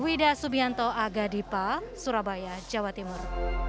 indah subianto agadipa surabaya jawa timur